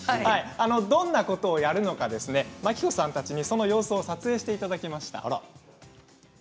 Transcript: どんなことをやるのか真希子さんたちにその様子を撮影していただきました。